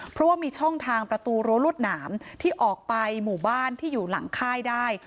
เพราะว่ามีช่องทางประตูรั้วรวดหนามที่ออกไปหมู่บ้านที่อยู่หลังค่ายได้